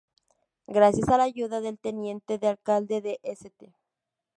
Gracias a la ayuda del teniente de alcalde de St.